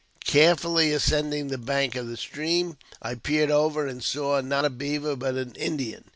Carefully ascending the bank of the stream, I peered over, and saw, not a beaver, but an Indian.